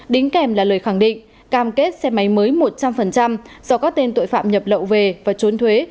đính kèm là lời khẳng định cam kết xe máy mới một trăm linh do các tên tội phạm nhập lậu về và trốn thuế